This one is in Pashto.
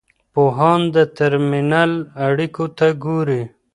پوهان د ترمینل اړیکو ته ګوري.